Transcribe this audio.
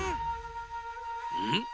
うん？